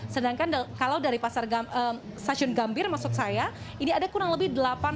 sedangkan kalau dari stasiun gambir maksud saya ini ada kurang lebih delapan ratus